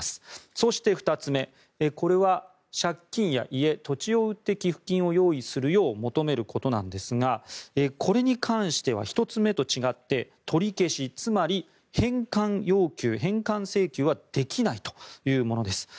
そして２つ目これは借金や家、土地を売って寄付金を用意するよう求めることなんですがこれに関しては１つ目と違って取り消し、つまり返還要求返還請求はできないというものです。